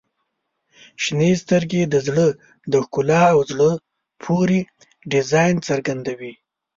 • شنې سترګې د زړه د ښکلا او زړه پورې ډیزاین څرګندوي.